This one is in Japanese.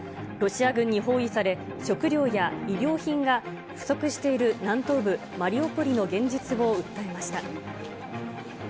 ロシア軍に包囲され、食料や衣料品が不足している南東部マリウポリの現実を訴えました。